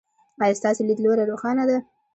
ایا ستاسو لید لوری روښانه دی؟